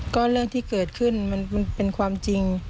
ก็เรื่องที่เกิดขึ้นมันเป็นความจริง